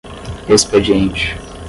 expediente